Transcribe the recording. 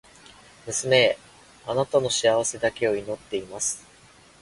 娘へ、貴女の幸せだけを祈っています。